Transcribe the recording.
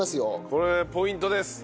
これポイントです。